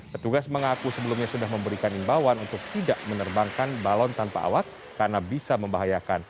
petugas mengaku sebelumnya sudah memberikan imbauan untuk tidak menerbangkan balon tanpa awak karena bisa membahayakan